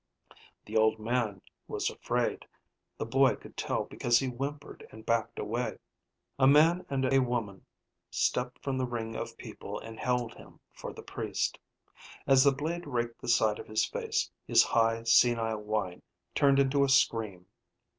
The old man was afraid. The boy could tell because he whimpered and backed away. A man and a woman stepped from the ring of people and held him for the priest. As the blade raked the side of his face, his high senile whine turned into a scream.